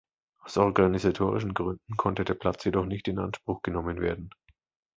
Aus organisatorischen Gründen konnte der Platz jedoch nicht in Anspruch genommen werden.